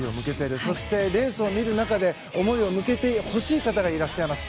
そして、レースを見る中で思いを向けてほしい方がいらっしゃいます。